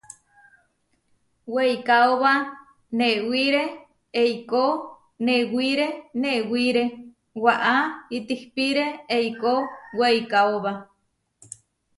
Weikaóba newiré eikó newiré newiré, waʼá itihpíre eikó weikaóba.